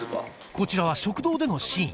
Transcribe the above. こちらは食堂でのシーン